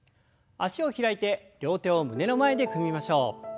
脚を開いて両手を胸の前で組みましょう。